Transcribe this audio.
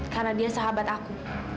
karena dia sahabat aku